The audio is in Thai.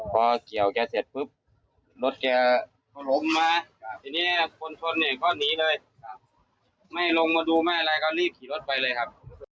พอเกี่ยวแกเสร็จปุ๊บรถแกพอล้มมาทีนี้คนชนเนี่ยก็หนีเลยไม่ลงมาดูไม่อะไรก็รีบขี่รถไปเลยครับ